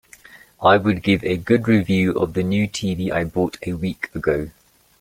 I would give a good review of the new TV I bought a week ago.